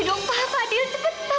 taufan mau makan ya sayang